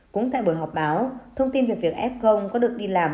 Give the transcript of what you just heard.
cũng tại buổi họp báo thông tin về việc f có được đi làm